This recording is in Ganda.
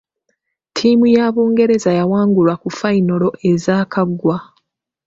Ttiimu ya Bungereza yawangulwa ku fayinolo ezaakaggwa.